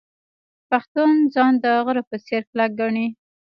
پښتون ځان د غره په څیر کلک ګڼي.